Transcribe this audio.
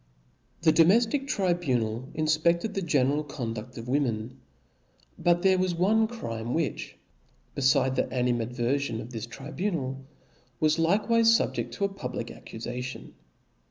The domeflic tribunal infpefted the general con dud: of women : but there was one crime, which befidc the animadverfion of this tribunal, was like wife fubjeft to a public accufation.